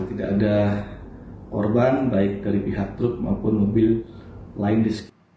tidak ada korban baik dari pihak truk maupun mobil lain di sekitar